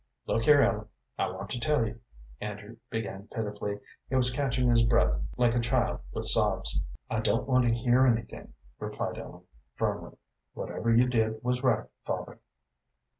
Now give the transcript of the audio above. "Look here, Ellen, I want to tell you," Andrew began, pitifully. He was catching his breath like a child with sobs. "I don't want to hear anything," replied Ellen, firmly. "Whatever you did was right, father."